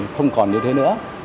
không còn như thế nữa